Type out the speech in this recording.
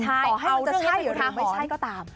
ต่อให้มันจะใช่หรือไม่ใช่ก็ตาม